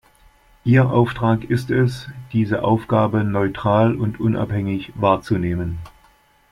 Ihr Auftrag ist es, diese Aufgabe neutral und unabhängig wahrzunehmen.